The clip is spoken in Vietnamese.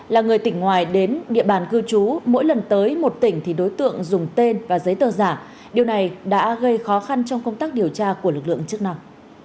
là người tỉnh ngoài đến địa bàn cư trú mỗi lần tới một tỉnh thì đối tượng dùng tên và giấy tờ giả điều này đã gây khó khăn trong công tác điều tra của lực lượng chức năng